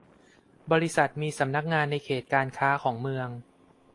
บริษัทมีสำนักงานในเขตการค้าของเมือง